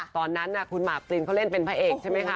ตอนนั้นคุณหมากปรินเขาเล่นเป็นพระเอกใช่ไหมคะ